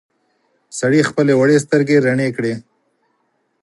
سړي خپلې وړې سترګې رڼې کړې.